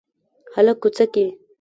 هلک کوڅه کې